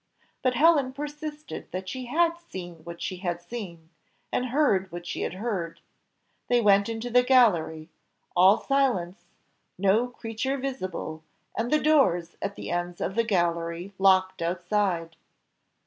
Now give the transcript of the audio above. But Helen persisted that she had seen what she had seen, and heard what she had heard. They went into the gallery all silence, no creature visible, and the doors at the ends of the gallery locked outside.